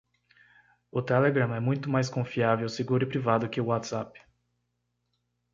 O Telegram é muito mais confiável, seguro e privado que o Whatsapp